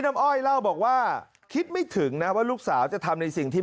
อ้อยเล่าบอกว่าคิดไม่ถึงนะว่าลูกสาวจะทำในสิ่งที่